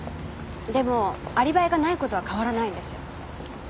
でもアリバイがない事は変わらないんです。